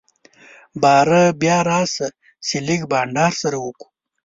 باره بيا راسه چي لږ بانډار سره وکو.